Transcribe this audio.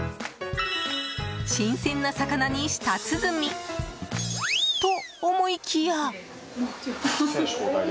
新鮮な魚に舌鼓と思いきや。